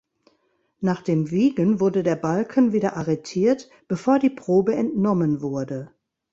Nach dem Wiegen wurde der Balken wieder arretiert, bevor die Probe entnommen wurde.